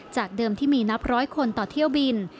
จากเดิมที่มีนับร้อยคนต่อเที่ยวบิน